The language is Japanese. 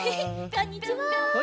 こんにちは！